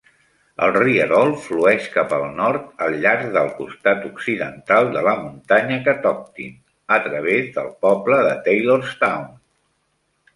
El rierol flueix cap al nord al llarg del costat occidental de la muntanya Catoctin a través del poble de Taylorstown.